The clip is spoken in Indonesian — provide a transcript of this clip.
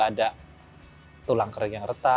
ada tulang kering yang retak